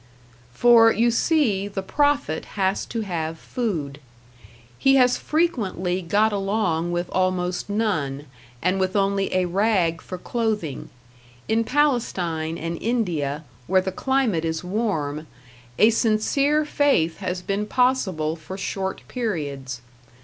For, you see, the prophet has to have food. He has frequently got along with almost none, and with only a rag for clothing; in Palestine and India, where the climate is warm, a sincere faith has been possible for short periods.